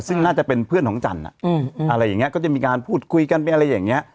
ซึ่งน่าจะเป็นเพื่อนของจันทร์อะไรอย่างนี้ก็จะมีการพูดคุยกันเป็นอะไรอย่างนี้